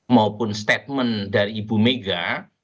maupun statement dari ibu mega